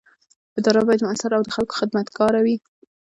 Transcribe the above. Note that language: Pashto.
اداره باید مؤثره او د خلکو خدمتګاره وي.